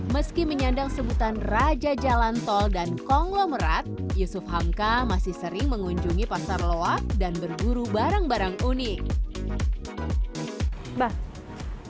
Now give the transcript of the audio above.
meski menyandang sebutan raja jalan tol dan konglomerat yusuf hamka masih sering mengunjungi pasar loak dan berburu barang barang unik